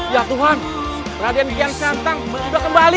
ya tuhan raden dian santang sudah kembali